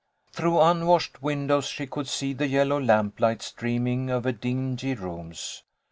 Through unwashed windows she could see the yellow lamplight streaming over dingy rooms.